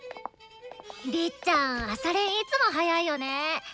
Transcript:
りっちゃん朝練いつも早いよね。